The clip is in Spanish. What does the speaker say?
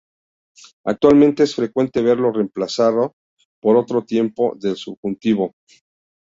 Actualmente, es frecuente verlo reemplazado por otro tiempo del subjuntivo.